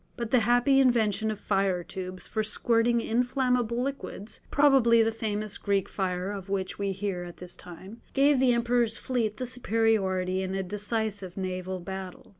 But the happy invention of fire tubes for squirting inflammable liquids (probably the famous "Greek fire" of which we first hear at this time), gave the Emperor's fleet the superiority in a decisive naval battle.